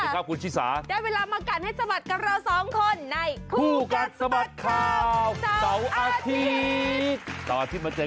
โปรดติดตามตอนต่อไป